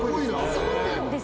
そうなんですよ。